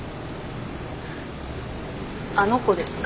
あの子ですか？